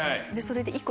それで。